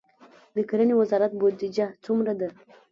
د کرنې وزارت بودیجه څومره ده؟